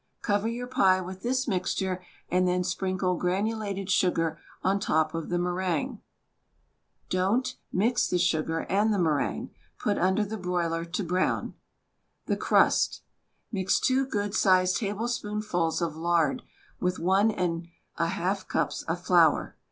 Cover your pie with this mixture and then sprinkle granulated sugar on top of the meringue. Don't THE STAG COOK BOOK mix the sugar and the meringue. Put under the broiler to brown. The crust : Mix two good sized tablespoonfuls of lard with one and a half cups of flour.